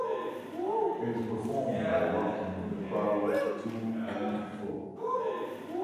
It is performed by rocking the cradle to and fro.